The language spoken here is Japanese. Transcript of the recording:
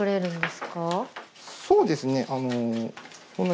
そうですね。